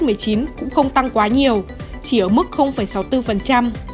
covid một mươi chín cũng không tăng quá nhiều chỉ ở mức sáu mươi bốn